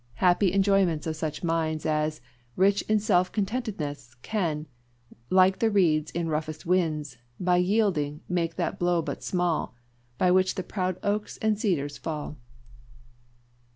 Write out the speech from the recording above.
Happy enjoyments of such minds As, rich in self contentedness, Can, like the reeds in roughest winds, By yielding, make that blow but small, By which proud oaks and cedars fall.'"